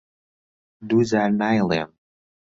دوو جار نایڵێم.